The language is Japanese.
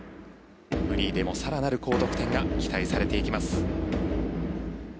フリーでも更なる高得点が期待されていきます。